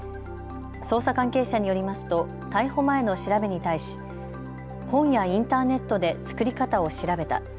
捜査関係者によりますと逮捕前の調べに対し本やインターネットで作り方を調べた。